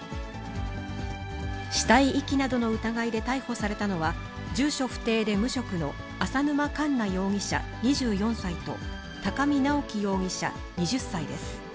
死体遺棄などの疑いで逮捕されたのは、住所不定で無職の浅沼かんな容疑者２４歳と、高見直輝容疑者２０歳です。